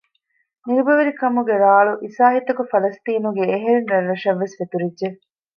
ނިރުބަވެރިކަމުގެ ރާޅު އިސާހިތަކު ފަލަސްޠީނުގެ އެހެން ރަށްރަށަށް ވެސް ފެތުރިއްޖެ